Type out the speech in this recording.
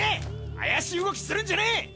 怪しい動きするんじゃねえ！！